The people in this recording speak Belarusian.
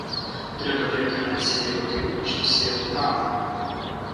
Трэба пераканаць сябе ў тым, што свет правы.